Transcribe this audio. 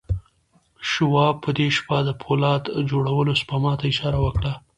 شواب په دې شپه د پولاد جوړولو سپما ته اشاره وکړه